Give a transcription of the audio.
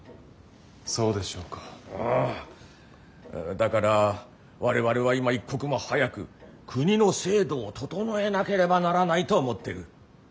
だから我々は今一刻も早く国の制度を整えなければならないと思ってる。